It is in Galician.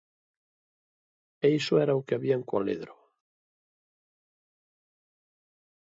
E iso era o que había en Cualedro.